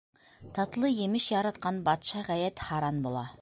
Татлы емеш яратҡан батша ғәйәт һаран була.